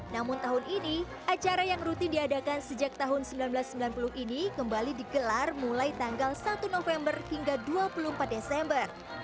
namun tahun ini acara yang rutin diadakan sejak tahun seribu sembilan ratus sembilan puluh ini kembali digelar mulai tanggal satu november hingga dua puluh empat desember